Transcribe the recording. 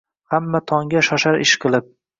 Hamma tongga shoshar ishqilib.